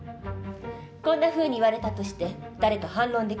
こんなふうに言われたとして誰か反論できるかしら。